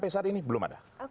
di pasar ini belum ada